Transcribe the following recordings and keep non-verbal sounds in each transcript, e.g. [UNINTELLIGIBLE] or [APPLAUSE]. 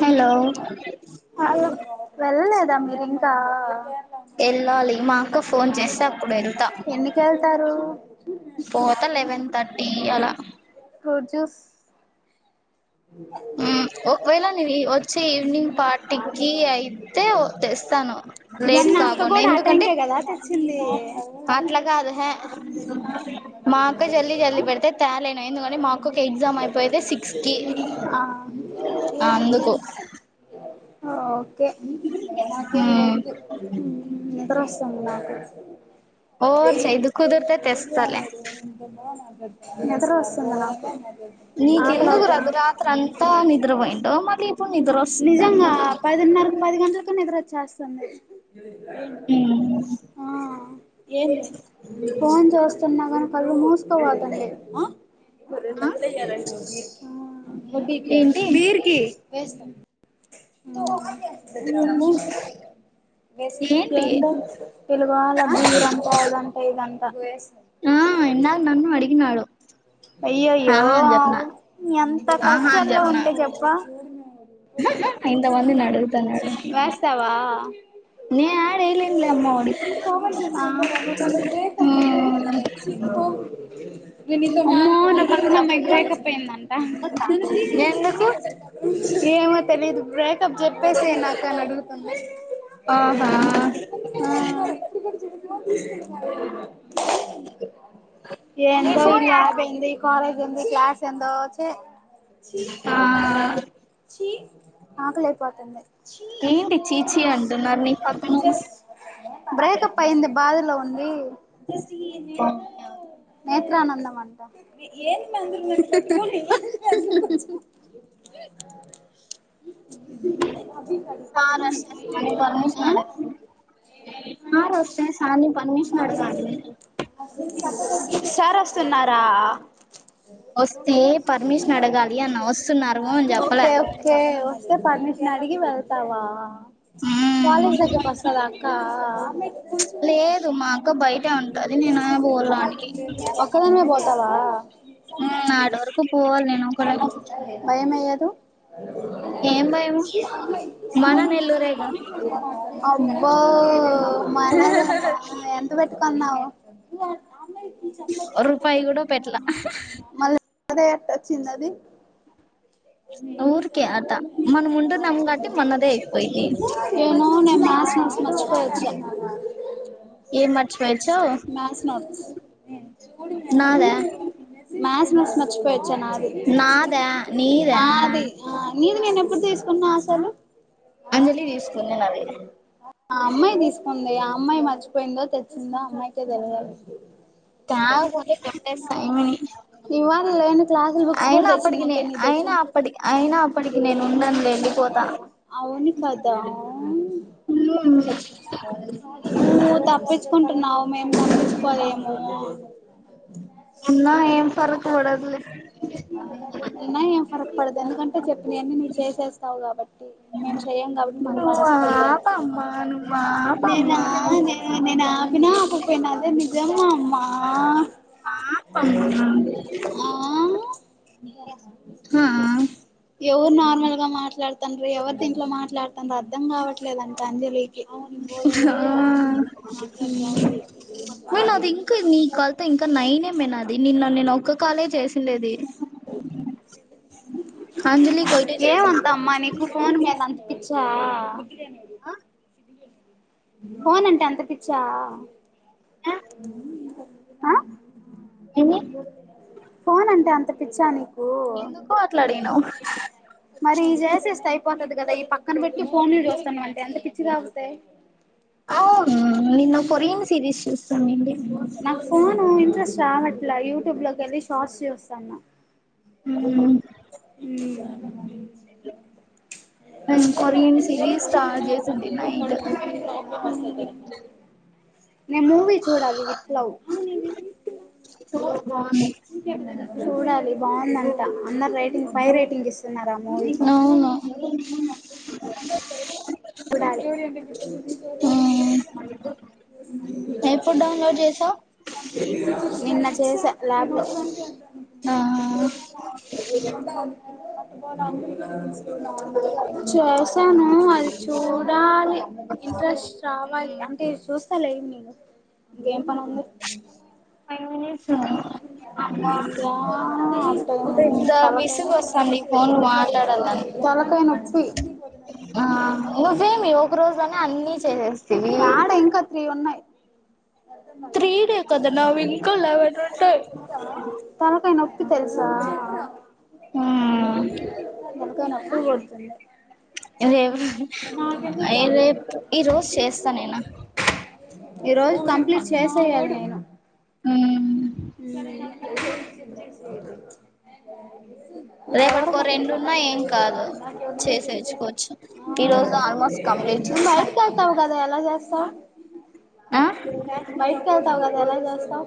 Hello వెళ్లలెద్ దా మీరింకా వెళ్ళాలి మా అక్క ఫోన్ చేస్త అప్పుడు వెళ్తా ఎన్నికి వెళ్తారు పోతా లెవెన్ థర్టీ అలా ఫ్రూట్ జ్యూస్ ఊ ఒకవేళ నేను వచ్చే ఈవినింగ్ ఫార్టీకిి అయితే తెస్తాను లేట్ మొన్న అక్క కాకుండా కూడా ఆ ఎందుకంటే టైంకే కదా తెచ్చింది అట్లాగాదు హ మా అక్క జల్దీ జల్ది పెడితే తేలేను ఎందుకంటే మా అక్కకి ఎగ్జామ్ అయిపోయితే సిక్స్కిి ఆ ఎవరికీ ఓక్ కే మాకేం వద్దు నిద్రోస్సుంది నాకు ఓవర్ వేయి చేయదు కుదిరితే తెస్తాలే నిదరస్తుంది నాకు నీకెందుకు ఆకలయితాంది. రఘు రాత్రి అంతా నిద్ర పోయిండు మళ్ళీ ఇప్పుడు నిద్రస్తుందంట. చేస్సాంది. ఆ ఏంది ఫోన్ చూస్తున్నాగా కళ్ళు మూసుక పోతుంది ఆ రెండోదలు వేయాలండి ముగ్గురకి అ వడ్డి కా ఏంటి బీర్ కి [INAUDIBLE] ఉ నువ్వు ఏంటి ఏందొ పిలవాల బిర్ అంట ఆదంట ఇదంట ఆ ఇందాక నన్న అడిగినాడు అయ్యోయ్యో ఆహా అని చెప్పిన ఎంత ఆహా అని కష్టాల్లో చెప్పిన ఉంటే చెప్ప ఇంతమందిని అడుగుతున్నాడు వేస్తావా [UNINTELLIGIBLE] నేను యాడ ఎయలేనులే అమ్మ వాడికి అమ్మో నా ఫస్ట్ అమ్మాయి బ్రేక్ప్ అయిందంట ఎందుకు ఏమో తెలి ఇది బ్రే చెప్పేస్ నాకని అడుగుతున్నది ఆహా అ ఫోన్ తీసుకున్నావ ఏ ఏందో ఈ ఫోన్ యి ల్యాబ్ అడుకొండి ఏంది కాలేజ్ ఎంది క్లాస్ ఎందొ చ్చి చి ఆ చి ఆకలైపోతుంది ఏంటి చీచీ అంటున్నారు నీ పక్కనోళ్ళు బ్రేకప్ అయింది బాధలో అది స టి న్ ఎ గా నేత్రానందమ ఏన్ మంగ [UNINTELLIGIBLE] సార్ వ స్తే సార్ ని పర్మిషన్ అడగాలి సార్ వ స్తే సార్ ని పర్మిషన్ అడగాలి తున్నారు తా అ వస్తే పర్మిషన్ అడగాలి అన్న వస్తున్నారు అని చెప్పలే ఓకే ఓకే వస్తే పర్మిషన్ అడిగి వెళ్తావా మ్మ్. కాలేజ్ దగ్గర కి వస్తదా అక్క ఉమేగు లేదు మా అక్క బయటే ఉంటది నేను పోలాడికి ఒక్కదానివే పో వస్తావా నాటి వరకు పోవాలి నేను ఒకలే భయంయేయదు ఏం భయం మన నెల్లూరే గా అబ్బో మనదేనా ఎంత పెట్టికొన్నావు అ నేను చెప్పద్దు రా రూపాయి అమ్మాయి కూడా పెట్లా డైరెక్ట్ వచ్చిందా అది ఊరికే అట మనం ఉంటున్నాం కాబట్టి మనదే అయిపోయింది నేను నా మ్యాథ్స్ నోట్స్ మర్చిపోయి వచ్చా ఏం మర్చిపోయచ్చో మ్యాథ్స్ నోట్స్. హ్మ్మ్ నాదా మ్యాథ్స్ నోట్స్ మర్చిపోయి వచ్చా నాది నాదా నీదా నాది ఆ. నీది నేను ఎప్పుడు తీసుకున్నా అసలు అంజలి తీసుకున్నది నాది మళ్ళ ఆ అమ్మాయి మర్చిపోయిందో తెచ్చిందో అమ్మాయికే తెలియాలీ తాగపోతే కొట్టేస్తా ఈమెని ఇవాళ నేను క్లాసు బుక్స్ కూడా అయినా అప్పటికి నే తెచ్చిందంటే నీ తెచ్చి అయినా అప్పటి అయినా అప్పటికి నేను ఉండనులే వెళ్ళిపోతా అవును కదా నువ్వు తప్పించుకుంటున్నావు. నన్ను పట్టించుకోదు ఏమో అని ఉన్నా ఏం ఫరక్ పడదులే అయినా ఏం ఫరక్ పడదు ఎందుకంటే చెప్పిన అన్ని నువ్వు చేసేస్తావు కాబట్టి మేము చేయం కాబట్టి మాకు నువ్వు ఫరక్ పడదు. ఆపమ్మా నువ్వు ఆపమ్మా ఆ ఆపమ్మ మీకోసమే హా హా ఎవరు నార్మల్ గా మాట్లాడుతాండ్రు ఎవరు దీంట్లో మాట్లాడుతాండ్రో అర్థం కావట్లేదంట అంజలికి హ్మ్మ్. ఆ మే అది ఇంకా నీ కళ్త ఇంకా నైనే మేనా అది నిన్న నిన్న ఒక కాలే చేసిండేది అంజలి కొయిటే చేసా ఏవంత అమ్మా నీకు ఫోన్ మేలంత ఇచ్చా [UNINTELLIGIBLE] ఫోన్ అంటే అంతా పిచ్చా ఆ ఏమ ఫోన్ అంటే అంత పిచ్చా నీకు ఎందుకు మాట్లాడినవు మరి ఈ జేసిస్తే అయిపోతది కదా ఈ పక్ పక్కన పెట్టి ఫోన్ ను చూస్తన్నా అంటే అంత పిచ్చి కాకపోతే అవును నిన్న కొరీయా సిరీస్ చూసి నాకు పోను ఇంట్రెస్ట్ రావట్లే ఇలా యూట్యూబ్ లోకి వెళ్లి షార్ట్స్ చూస్తాన్న ఉ ఊ కొరియన్ సిరీస్ స్టార్ట్ చేసింది నైట్ నేను మూవీ చూడాలి విత్ లవ్ బాగుంది చూడాలి బాగుందంట అందరు రేటింగ్ ఫైవ్ రేటింగ్ ఇస్తున్నారు ఆ మూవీకి అవును ఎప్పుడు డౌన్లోడ్ చేసావు నిన్న చేశా చేశా ల్యాబ్ లో ఆ [UNINTELLIGIBLE] చూసాను అది చూడాలి ఇంట్రెస్ట్ రావాలి అంటే చూ సర్లే ఈవినింగ్ ఇంకేం పని ఉంది ఫైవ్ మినిట్స్ తలకాయ పెద్ద విసుగు వస్తుంది ఫోన్ మాట్లాడాలని తలకాయ నొప్పి ఆ నువ్వేమి ఒక రోజులోనే అన్ని చేసేస్తివి యాడ ఇంకా త్రీ ఉన్నాయి త్రీ డే కదా నావి ఇంకా లెవెన్ ఉంటాయి తలకాయ నో తెలుసా [UNINTELLIGIBLE] తూగు వత్తుంది రేపు రేపు ఈ రోజు చేస్తా నేను ఈ రోజు కంప్లీట్ చేసేయ్యాలీ నేను హు హు [UNINTELLIGIBLE] రేపటికో రెండున్నా ఏం కాదు చేసేచ్చుకోవచ్చు ఈ రోజు ఆల్మోస్ట్ కంప్లీట్ చేస్తా ఏలా చేస్తావ్ [UNINTELLIGIBLE] అలా ఎలా చేస్తావ్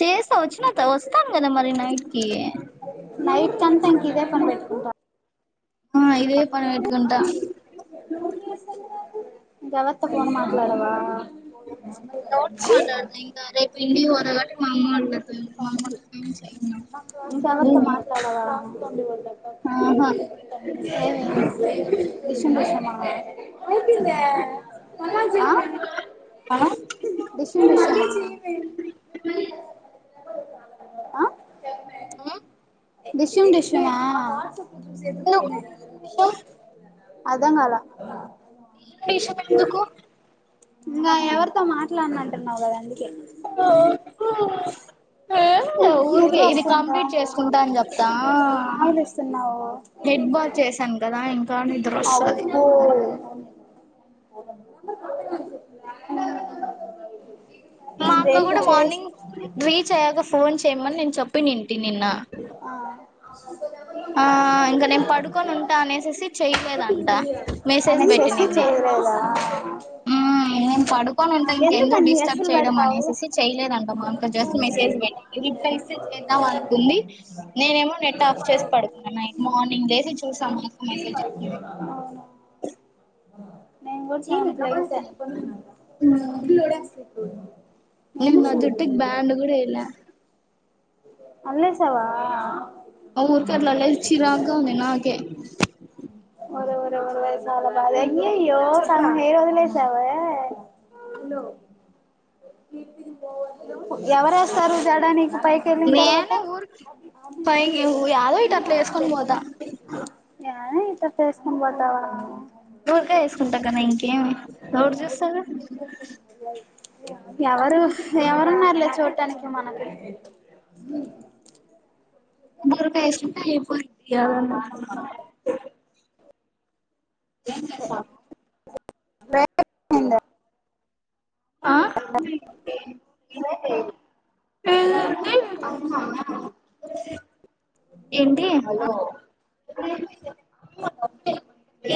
చేస్తా వచ్చిన వస్తాను కదా మరి నైట్కి నైట్ అంతా ఇంక ఇదే పని పెట్టుకుంటా ఆ ఇదే పని వెట్కుంటా ఇంకెవర్తొ ఫోన్ మాట్లాడవా, ఎవరితో మాట్లాడతా ఇంకా రేపు ఇంటికి పోతా కాబట్టి మా అమ్మ వాళ్ళతో మా అమ్మ వాళ్ళతో ఏం చేయను ఇంకెవర్తొ మాట్లాడవా ఆహా ఏవి, డిషుం డిషుం మా ఆ, డిషుం ఆ డిషుం మ ఆ ఉ డిషుం డిషుం మా ఎందుకు డిషుం డిషుం అథ్థం కాల డిషుం డిషుం ఎందుకు ఇంగా ఎవరితో మాట్లాన్నన్. ంటన్నావ్ కద అంద్ ఎ హు నిద్రరొస్సుందా, చెప్తా ఆవలిస్సున్నావు హెడ్ బాత్ చేశాను కదా ఇంకా నిద్ర వస్తది అబ్బో ఉ మా అక్క కూడా మార్నింగ్, రీచ్ అయ్యాక ఫోన్ చేయమన్ నేన్ చెప్ ప్పినింటి నిన్న ఆ ఆ ఇంగా నే పడుకొనుంటా అనేసెసి చెయ్ లేదంట మెసేజ్ అనేసేసి బెట్టినింది. చేయలేదా హు నేన్ పడు కోనుంటే ఇంకెందు ఎందుకన్ని డిస్టర్బ్ అస్సలు చేయడం పెడతావు అనేసేసి, చేయలేదంట [UNINTELLIGIBLE] జస్ట్ మెసేజ్ పె రిప్లే ఇస్సే చేద్దాం అనుకుంది నేనేమో నెట్ ఆఫ్ చేస్ పడుకున్న నైట్ మార్నింగ్ లేసి చూసా మాక్క మెసేజ్జె నదె నేం గుడ్స్ కి రిప్లే ఇచ్చ నిన్న నేమిస జుట్టుకి బ్యాండ్ కూడా ఏయలా అల్లేసవా ఊర్కె అట్ల అల్లేస్ ఛీర్రాక్గా ఉంది నాకే ఎంగయ్యో సగం హేర్ వదిలేసావ. ఎవరెస్తారు జడని నేనే ఊర్ పైంగ్ ఎంగేజ్ ఉ యాదో ఇట్ అట్ల వేస్కొం పోతా తట్టెస్కొని బొతావ ఊరికే వేసుకుంటా కదా ఇంకేం ఎవరు చూస్తారు [INAUDIBLE] ఎవరు ఎవరు ఉన్నారలే చూడడానికి తనికి మనకి [UNINTELLIGIBLE] [INAUDIBLE] [UNINTELLIGIBLE] ఆ ఏంటి హలో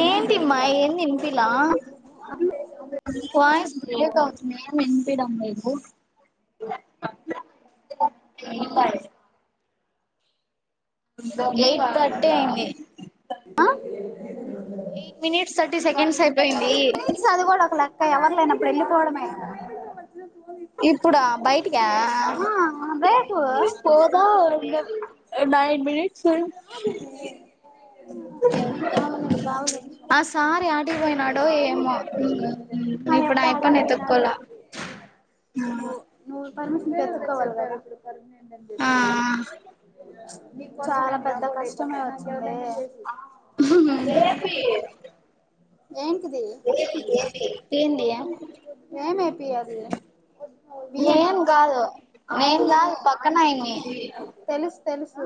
ఏంటిమ్మా ఏంది ఇనిపిలా అ వాయిస్ బ్రేక్ అవుతుంది ఏం వినిపియడం లేదు లైన్ కట్ అయింది ఆ ఎయిట్ మినిట్స్ థర్టీ సెకండ్స్ అయిపోయింది ఫ్రెండ్స్ అది కూడా ఒక లెక్క ఎవరు లేనప్పుడు పోడమే ఇప్పుడా బయటిక ఆ రేపు పోదా మీరి [UNINTELLIGIBLE] ఆగు నిమిషం ఆగు నిమిషం ఆ సార్ యాడికిపోయినాడో ఏమో ఆ ఇప్పుడు యప్ప యాడికి ఆయప్పని పోయినాడో వెతుక్కోల ఆ పెర్మిషన్ తెచ్చుకోవాలి కదా ఆ [UNINTELLIGIBLE] [UNINTELLIGIBLE] పెద్ద కష్టమే వచ్చింది [UNINTELLIGIBLE] ఏంటిది ఏంటి ఏంది [UNINTELLIGIBLE] ఏం కాదు ఏం కాదు పక్కన అయింది తెలుసు తెలుసు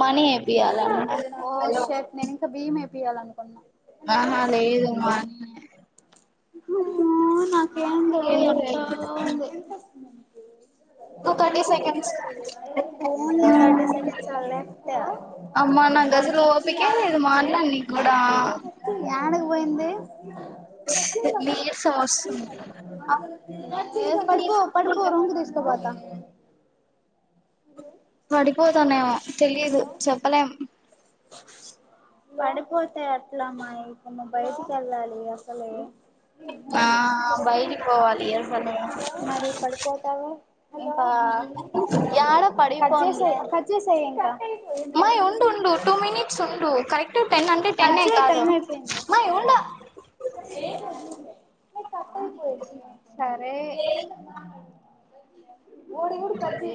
మనీ ఏపీయాల ఏ పియాలనుకున్నా హలో మనీ హూ నాకెందో ఎట్ట ఉంది two thirty seconds only thirty seconds are left అమ్మా నా గసలు ఓపికే లేదు మాట్లా నీ కూడా యాడికి పోయింది కట్ చెయ్యబాకా నీరసం కట్ వస్తుంది చెయ్యబాకా కట్ చెయ్యకఏ పడిపో పడిపో రూమ్కి తీసుకుపోతా హలో పడిపోతనేమో తెలిదు చెప్పలేం పడిపోతే ఏట్లమాయ్ మనం బయటికి వెళ్ళాలి అసలే ఆ బయటి పోవాలి అసలే ఆ కాజేసేయ్ కాజేసేయ్ ఇంకా మాయ్ ఉండుండు టూ మినిట్స్ ఉండు కరెక్ట్ టెన్ అంటే కట్ టెన్నే చేయి కాదు టైం అయిపోయింది మాయ్ ఉండు సరే ఓడివిగూడ థర్టీ